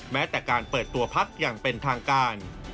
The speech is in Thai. แม้แต่การเปิดตัวพักอย่างเป็นทางการ